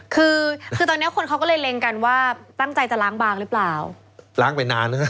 คือตอนนี้คนเขาก็เลยแรงกันว่า